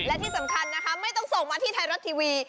และที่สำคัญนะคะไม่ต้องส่งมาที่ไทยรัฐทีวี